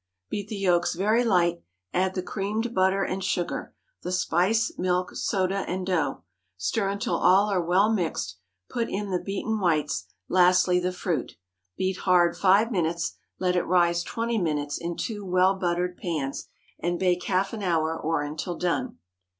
Beat the yolks very light, add the creamed butter and sugar, the spice, milk, soda, and dough. Stir until all are well mixed; put in the beaten whites, lastly the fruit. Beat hard five minutes, let it rise twenty minutes in two well buttered pans, and bake half an hour or until done.